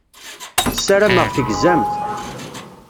Ssarameɣ tegzamt.